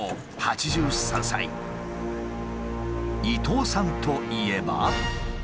伊東さんといえば。